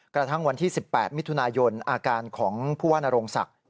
กระทั่งวันที่๑๘มิถุนายนอาการของผู้ว่านโรงศักดิ์